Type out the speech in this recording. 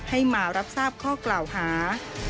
ให้มารับทราบข้อกล่าวหา